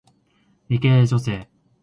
理系女性